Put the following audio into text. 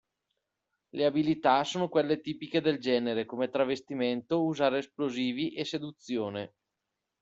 Le abilità sono quelle tipiche del genere, come travestimento, usare esplosivi e seduzione.